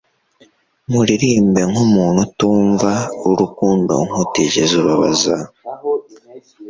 Muririmbe nk'umuntu utumva, urukundo nk'utigeze ubabaza,